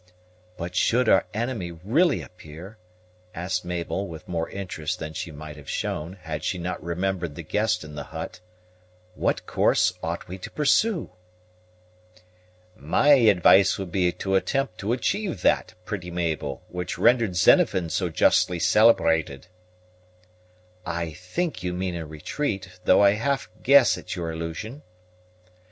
"But should our enemy really appear," asked Mabel, with more interest than she might have shown, had she not remembered the guest in the hut, "what course ought we to pursue?" "My advice would be to attempt to achieve that, pretty Mabel, which rendered Xenophon so justly celebrated." "I think you mean a retreat, though I half guess at your allusion."